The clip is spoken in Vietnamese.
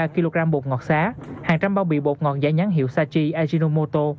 bốn trăm hai mươi ba kg bột ngọt xá hàng trăm bao bị bột ngọt giả nhán hiệu sachi ajinomoto